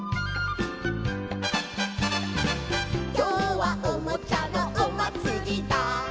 「きょうはおもちゃのおまつりだ」